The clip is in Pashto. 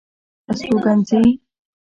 استوګنځي